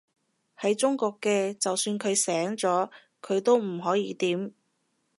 喺中國嘅，就算佢醒咗，佢都唔可以點